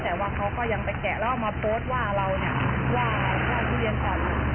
แต่ว่าเขาก็ยังไปแกะแล้วเอามาโพสต์ว่าเราเนี่ยว่าทุเรียนก่อน